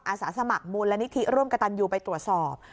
อาสาสมัครมูลนิธิร่วมกระตันยูไปตรวจสอบ